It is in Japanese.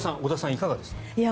いかがですか？